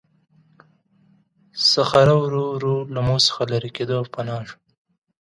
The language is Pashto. صخره ورو ورو له موږ څخه لیرې کېده او پناه شوه.